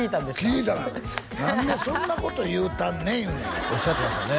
聞いたがな何でそんなこと言うたんねんいうねんおっしゃってましたね